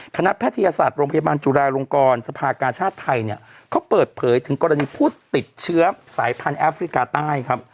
แพทยศาสตร์โรงพยาบาลจุฬาลงกรสภากาชาติไทยเนี่ยเขาเปิดเผยถึงกรณีผู้ติดเชื้อสายพันธุ์แอฟริกาใต้ครับ